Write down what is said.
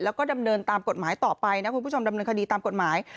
แล้วก็ดำเนินตามกฎหมายต่อไปนะคุณผู้ชมดำเนินคดีตามกฎหมาย